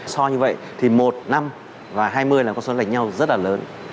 so như vậy thì một năm và hai mươi là con số lệch nhau rất là lớn